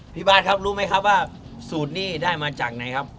พี่บาทครับรู้ไหมครับว่าสูตรนี้ได้มาจากไหนครับ